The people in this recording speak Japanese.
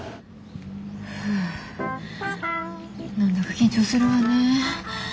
ふ何だか緊張するわね。